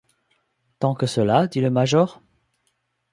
Tant que cela ? dit le major.